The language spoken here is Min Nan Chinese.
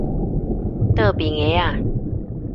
倒爿下仔